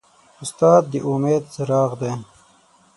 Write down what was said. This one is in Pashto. استاد د امید څراغ دی.